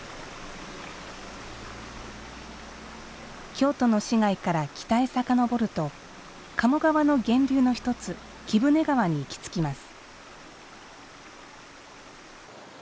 京都の市街から北へさかのぼると鴨川の源流の一つ貴船川に行き着きます。